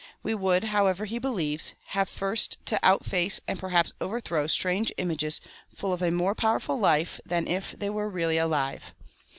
We would, however, he believes, have first to outface no and perhaps overthrow strange images full Miraculous of a more powerful life than if they were really alive.